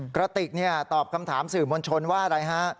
กระติกตอบคำถามสื่อมวลชนว่าอะไรฮะ